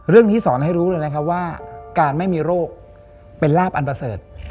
เรื่องนี้สอนให้รู้เลยแนะครับว่าการไม่มีโรคเป็นราบอันเปิด